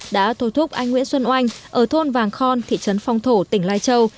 đã thôi thúc anh nguyễn xuân oanh ở thôn vàng khon thị trấn phong thổ tỉnh lai châu